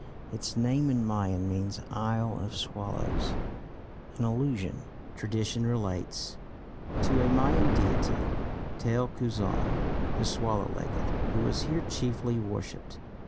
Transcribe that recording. Its name in Mayan means "Isle of Swallows," in allusion, tradition relates, to a Mayan deity Tel Cuzaan (the swallow legged) who was here chiefly worshipped.